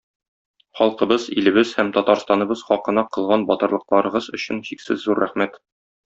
Халкыбыз, илебез һәм Татарстаныбыз хакына кылган батырлыкларыгыз өчен чиксез зур рәхмәт!